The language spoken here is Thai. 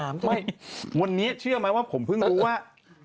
ไม่วันนี้เชื่อไหมว่าผมเพิ่งรู้ว่า